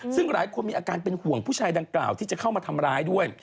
ซึ่งหลายคนมีอาการเป็นห่วงผู้ชายดังกล่าวที่จะเข้ามาทำร้ายด้วย